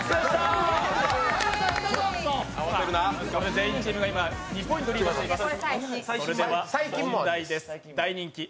全員チームが２ポイントリードしています。